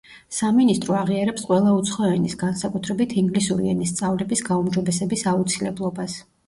სამინისტრო აღიარებს ყველა უცხო ენის, განსაკუთრებით ინგლისური ენის სწავლების გაუმჯობესების აუცილებლობას.